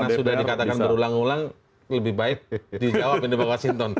karena sudah dikatakan berulang ulang lebih baik dijawabin di washington